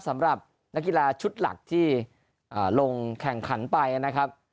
สำหรับนักกีฬาชุดหลักที่ลงแข่งขันไปนะครับ